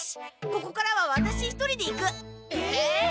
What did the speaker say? ここからはワタシ一人で行く！えっ！？